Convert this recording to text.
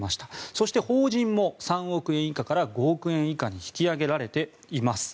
そして法人も３億円以下から５億円以下に引き上げられています。